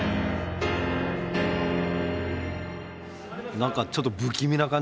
何かちょっと不気味な感じ。